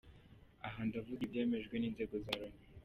Aha ndavuga ibyemejwe n’inzego za Loni.